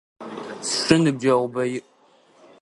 Сшы ныбджэгъубэ иӏ.